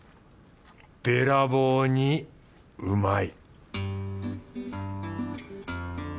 べらぼうにうまい